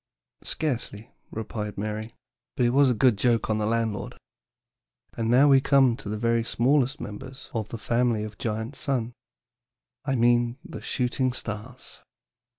"Scarcely," replied Mary; "but it was a good joke on the landlord. And now we come to the very smallest members of the family of Giant Sun. I mean the shooting stars."